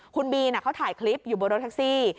คุณบีเขาถ่ายคลิปอยู่บนรถแท็กซี่